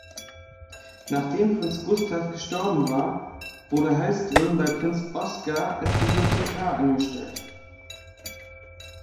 Nachdem Prinz Gustaf gestorben war, wurde Hallström bei Prinz Oskar als Bibliothekar angestellt.